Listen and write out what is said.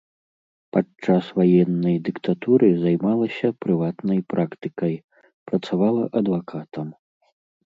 Падчас ваеннай дыктатуры займалася прыватнай практыкай, працавала адвакатам.